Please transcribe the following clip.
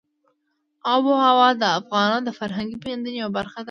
آب وهوا د افغانانو د فرهنګي پیژندنې یوه برخه ده.